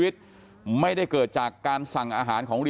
อยู่ดีมาตายแบบเปลือยคาห้องน้ำได้ยังไง